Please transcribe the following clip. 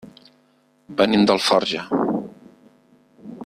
Venim d'Alforja.